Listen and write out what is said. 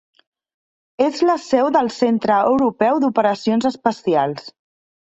És la seu del Centre Europeu d'Operacions Espacials.